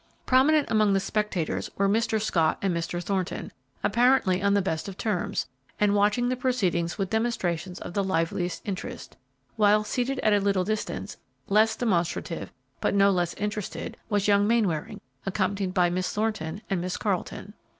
Prominent among the spectators were Mr. Scott and Mr. Thornton, apparently on the best of terms, and watching proceedings with demonstrations of the liveliest interest, while seated at a little distance, less demonstrative, but no less interested, was young Mainwaring, accompanied by Miss Thornton and Miss Carleton.